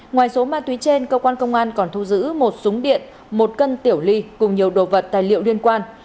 ngoài số ma túy trên cơ quan công an còn thu giữ một súng điện một cân tiểu ly cùng nhiều đồ vật tài liệu liên quan